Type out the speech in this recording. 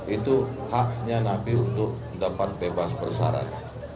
itu haknya nabi untuk mendapat bebas persarat